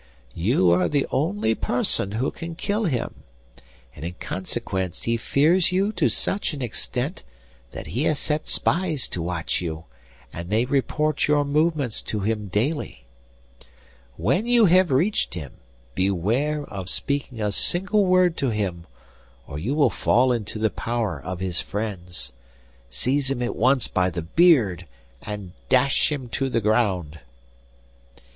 'You are the only person who can kill him; and in consequence he fears you to such an extent that he has set spies to watch you, and they report your movements to him daily. 'When you have reached him, beware of speaking a single word to him, or you will fall into the power of his friends. Seize him at once by the beard and dash him to the ground.